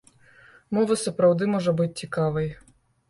Мова сапраўды можа быць цікавай.